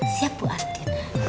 siap bu ardhid